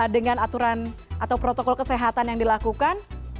dengan aturan atau protokol kesehatan yang dilakukan